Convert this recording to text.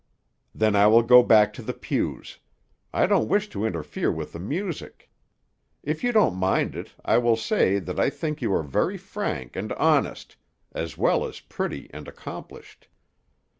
"Then I will go back to the pews; I don't wish to interfere with the music. If you don't mind it, I will say that I think you are very frank and honest, as well as pretty and accomplished.